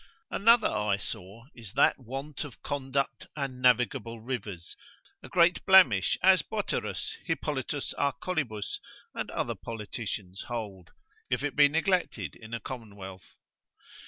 Another eyesore is that want of conduct and navigable rivers, a great blemish as Boterus, Hippolitus a Collibus, and other politicians hold, if it be neglected in a commonwealth.